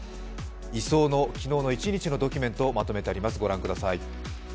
移送の昨日一日のドキュメントをまとめてあります。